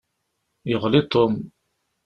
Yeɣli Tom.